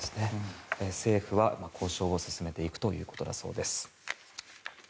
政府は交渉を進めていくということだそうです。